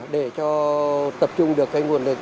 để tập trung được nguồn lực